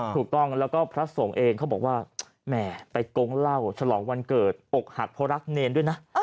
ถูกต้องแล้วก็พระสงฆ์เองเขาบอกว่าแหมไปกงเหล้าฉลองวันเกิดอกหักเพราะรักเนรด้วยนะ